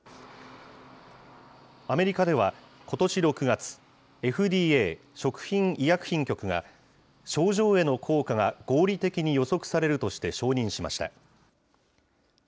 アメリカでは、ことし６月、ＦＤＡ・食品医薬品局が、症状への効果が合理的に予測されるとして承認しました。